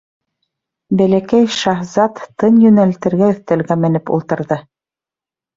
Бәләкәй шаһзат, тын йүнәлтергә өҫтәлгә менеп ултрыҙы.